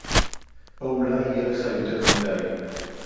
אוֹ אוּלַי יִהְיֶה לְךָ יוֹתֵר מִדַי